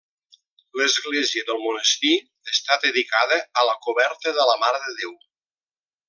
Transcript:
L'església del monestir està dedicada a la coberta de la Mare de Déu.